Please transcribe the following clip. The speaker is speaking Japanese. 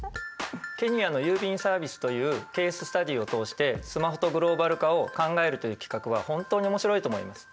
ケニアの郵便サービスというケーススタディーを通してスマホとグローバル化を考えるという企画は本当に面白いと思います。